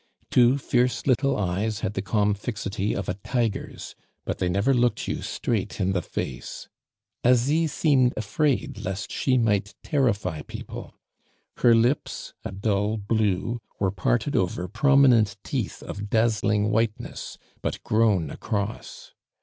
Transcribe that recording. Two fierce little eyes had the calm fixity of a tiger's, but they never looked you straight in the face. Asie seemed afraid lest she might terrify people. Her lips, a dull blue, were parted over prominent teeth of dazzling whiteness, but grown across.